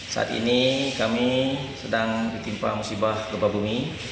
saat ini kami sedang ditimpa musibah gempa bumi